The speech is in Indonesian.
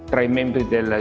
terima di dalam